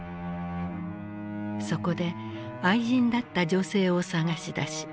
そこで愛人だった女性を捜し出し